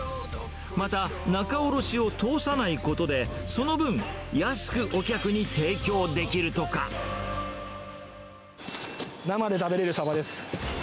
また仲卸を通さないことで、その分、安くお客に提供できると生で食べれるサバです。